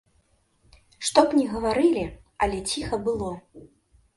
Што б ні гаварылі, але ціха было.